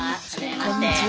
こんにちは。